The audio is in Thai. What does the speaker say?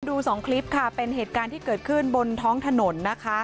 ดูสองคลิปค่ะเป็นเหตุการณ์ที่เกิดขึ้นบนท้องถนนนะคะ